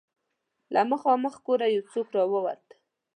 له مخامخ کوره يو څوک را ووت.